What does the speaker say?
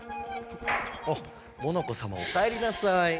おっモノコさまおかえりなさい。